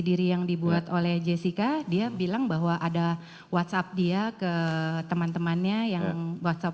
diri yang dibuat oleh jessica dia bilang bahwa ada whatsapp dia ke teman temannya yang whatsapp